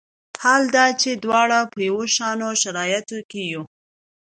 حال دا چې دواړه په یو شان شرایطو کې وي.